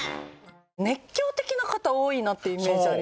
熱狂的な方多いなってイメージあります。